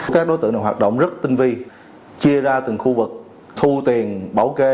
các đối tượng này hoạt động rất tinh vi chia ra từng khu vực thu tiền bảo kê